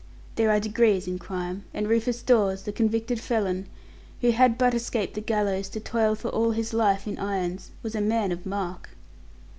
There are degrees in crime, and Rufus Dawes, the convicted felon, who had but escaped the gallows to toil for all his life in irons, was a man of mark.